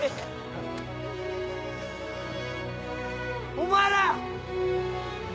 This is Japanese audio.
・お前ら！